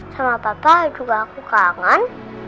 sama tata juga aku kangen